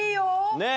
ねえ。